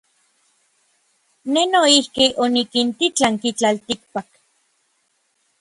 Nej noijki onikintitlanki tlaltikpak.